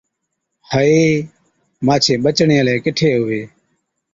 هَئي، مانڇين ٻچڙين الاهي ڪِٺي هُوي؟